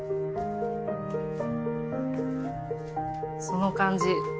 その感じ